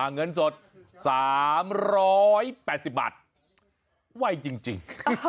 เงินสด๓๘๐บาทไวจริง